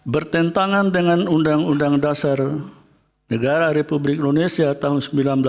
bertentangan dengan undang undang dasar negara republik indonesia tahun seribu sembilan ratus empat puluh